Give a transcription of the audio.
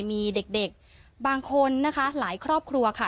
มีเด็กบางคนนะคะหลายครอบครัวค่ะ